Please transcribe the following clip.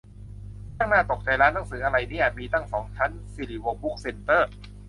ช่างน่าตกใจ ร้านหนังสืออะไรเนี่ย มีตั้งสองชั้น สุริวงศ์บุ๊คเซ็นเตอร์